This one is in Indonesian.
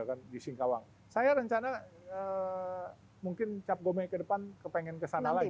kan di singkawang saya rencana mungkin cap gome ke depan kemarin kita akan melihat budaya tionghoa